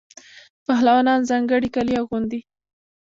پهلوانان ځانګړي کالي اغوندي.